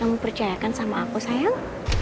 kamu percayakan sama aku sayang